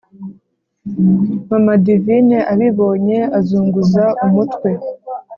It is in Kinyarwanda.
mama divine abibonye azunguza umutwe,